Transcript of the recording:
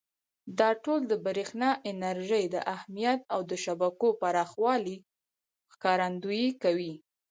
دا ټول د برېښنا انرژۍ د اهمیت او د شبکو پراخوالي ښکارندویي کوي.